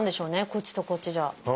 こっちとこっちじゃ。